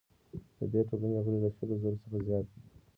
د دې ټولنې غړي له شلو زرو څخه زیات دي.